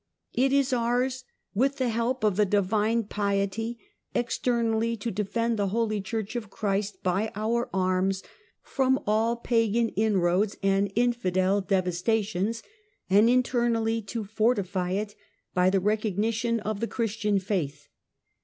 "It is ours, with the help of the Divine piety, externally to defend the Holy Church of Christ by our arms from all pagan inroads and infidel devastations, and internally to fortify it by the recognition of the Christian faith.